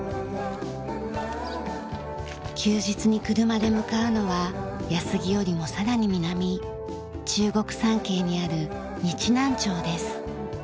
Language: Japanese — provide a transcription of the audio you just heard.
休日に車で向かうのは安来よりもさらに南中国山系にある日南町です。